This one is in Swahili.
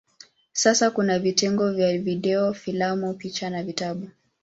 Sasa kuna vitengo vya video, filamu, picha na vitabu.